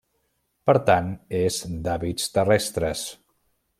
Per tant, és d'hàbits terrestres.